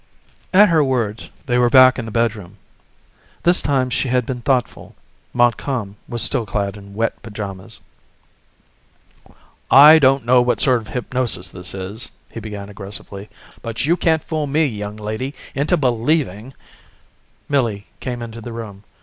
At her words, they were back in the bedroom. This time she had been thoughtful. Montcalm was still clad in wet pajamas. "I don't know what sort of hypnosis this is," he began aggressively, "but you can't fool me, young lady, into believing ..."Millie came into the room.